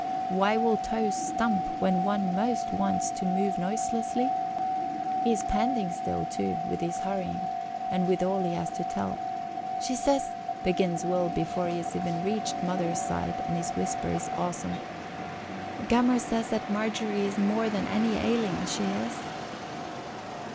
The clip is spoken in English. Why will toes stump when one most wants to move noiselessly? He is panting still too with his hurrying and with all he has to tell. "She says," begins Will before he has even reached Mother's side and his whisper is awesome, "Gammer says that Margery is more than any ailin', she is."